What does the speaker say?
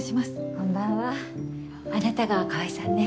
こんばんはあなたが川合さんね。